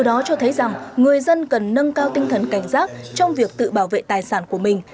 đó cho thấy rằng người dân cần nâng cao tinh thần cảnh giác trong việc tự bảo vệ tài sản của mình